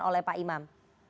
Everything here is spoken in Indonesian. oleh pak imam